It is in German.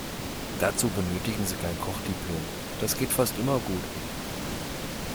Dazu benötigen Sie kein Kochdiplom, das geht fast immer gut.